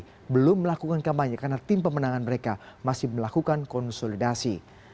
dan juga sylvie belum melakukan kampanye karena tim pemenangan mereka masih melakukan konsolidasi